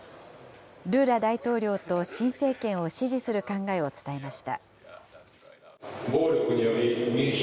ルーラ大統領と新政権を支持する考えを伝えました。